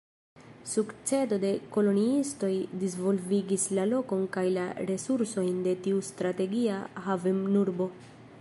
Sukcedo de koloniistoj disvolvigis la lokon kaj la resursojn de tiu strategia havenurbo.